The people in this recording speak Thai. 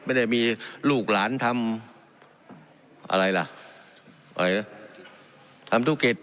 ไม่ได้มีลูกหลานทำอะไรล่ะอะไรนะทำธุรกิจ